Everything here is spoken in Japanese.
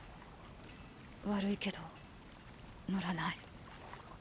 悪いけど乗らない。